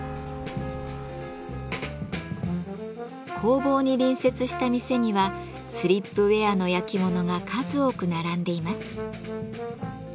工房に隣接した店にはスリップウェアのやきものが数多く並んでいます。